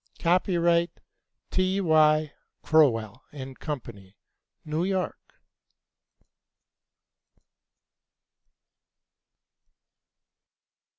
Copyrighted by T.Y. Crowell and Company, New York.